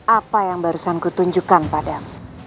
apa yang barusan ku tunjukkan padam